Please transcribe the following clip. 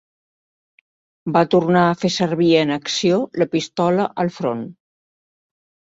Va tornar a fer servir en acció la pistola al front.